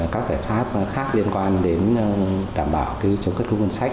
các giải pháp khác liên quan đến đảm bảo chống cất cung cân sách